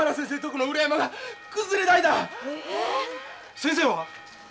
先生は？